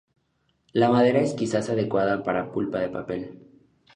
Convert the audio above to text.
La madera es quizás adecuada para pulpa de papel.